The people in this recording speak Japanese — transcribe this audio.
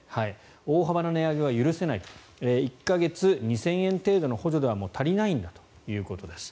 大幅な値上げは許せない１か月２０００円程度の補助では足りないんだということです。